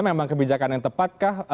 memang kebijakan yang tepat kah